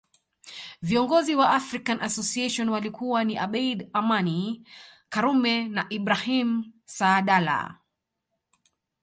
Viongozi wa African Association walikuwa ni Abeid Amani Karume na Ibrahim Saadala